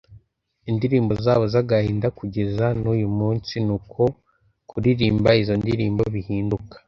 ndirimbo zabo zagahinda kugeza nuyu munsi Nuko kuririmba izo ndirimbo bihinduka